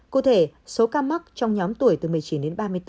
cụ thể số ca mắc trong nhóm tuổi từ một mươi chín đến ba mươi bốn